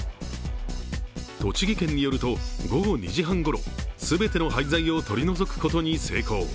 栃木県によると、午後２時半ごろ全ての廃材を取り除くことに成功。